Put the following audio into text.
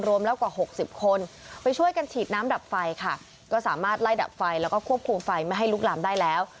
รวมแล้วกว่าหกสิบคนไปช่วยกันฉีดน้ำดับไฟค่ะก็สามารถไล่ดับไฟแล้วก็ควบคุมไฟไม่ให้ลุกลามได้แล้ว